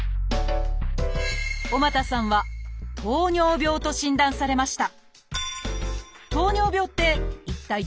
尾又さんは「糖尿病」と診断されました